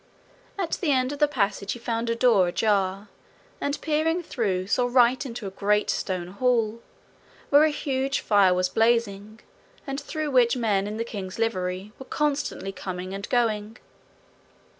At the end of the passage he found a door ajar, and, peering through, saw right into a great stone hall, where a huge fire was blazing, and through which men in the king's livery were constantly coming and going.